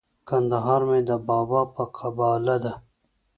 کندهار مي د بابا په قباله دی